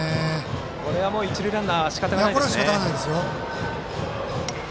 これは一塁ランナーはもうしかたがないですね。